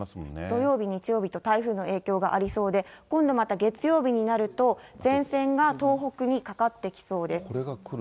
土曜日、日曜日と台風の影響がありそうで、今度また月曜日になると、前線が東北にかかってきそうです。